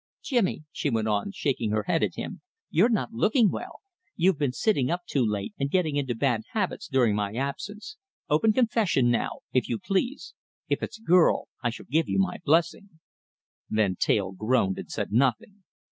Jimmy," she went on, shaking her head at him, "you're not looking well. You've been sitting up too late and getting into bad habits during my absence. Open confession, now, if you please. If it's a girl, I shall give you my blessing." Van Teyl groaned and said nothing.